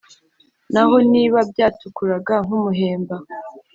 Naho niba byatukuraga nk’umuhemba,